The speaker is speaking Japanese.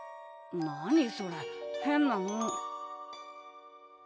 何それ変なの。